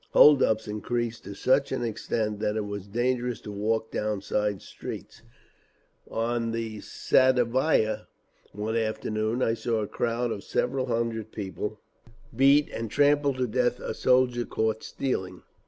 Hold ups increased to such an extent that it was dangerous to walk down side streets…. On the Sadovaya one afternoon I saw a crowd of several hundred people beat and trample to death a soldier caught stealing….